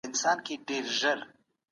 د ملکيت حق ته په درناوي قايل اوسئ.